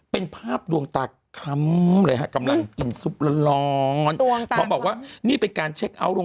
เป็นภาพดวงตาคล้ำเลยฮะกำลังกินซุปร้อน